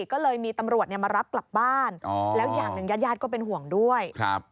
ก็เลยมีตำรวจมารับกลับบ้านแล้วอย่างหนึ่งญาติญาติก็เป็นห่วงด้วยครับ